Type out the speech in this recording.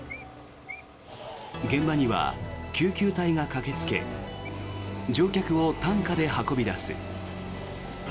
現場には救急隊が駆けつけ乗客を担架で運び出す。